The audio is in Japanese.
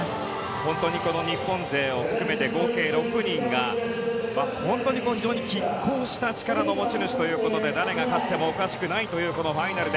本当に日本勢を含めて合計６人が非常に拮抗した力の持ち主で誰が勝ってもおかしくないファイナル。